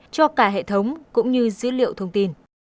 cho cả hệ thống cũng như dữ liệu thông tin